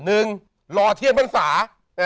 หนึ่งรอเทียนบรรษา